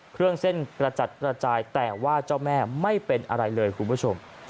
เครื่องเส้นกระจัดกระจายแต่ว่าเจ้าแม่ไม่เป็นอะไรเลยคุณผู้ชม